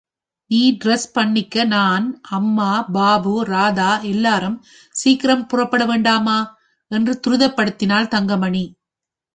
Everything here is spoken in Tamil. நீ டிரஸ் பண்ணிக்க நான், அம்மா, பாபு, ராதா எல்லாரும் சீக்கிரம் புறப்பட வேண்டாமா? என்று துரிதப்படுத்தினாள் தங்கமணி.